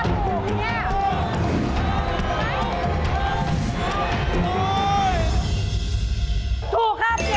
ถ้าถูกที่นี่